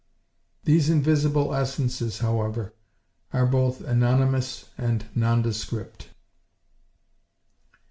These invisible essences, however, are both anonymous and nondescript.